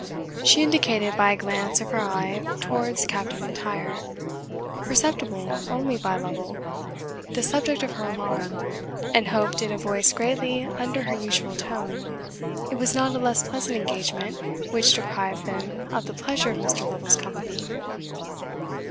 She indicated by a glance of her eye towards Captain M'Intyre, perceptible only by Lovel, the subject of her alarm, and hoped, in a voice greatly under her usual tone, it was not a less pleasant engagement which deprived them of the pleasure of Mr. Lovel's company.